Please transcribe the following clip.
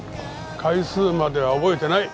回数までは覚えてない。